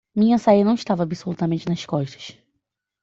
Minha saia não estava absolutamente nas costas.